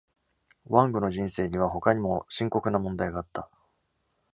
Wang の人生には他にも深刻な問題があった。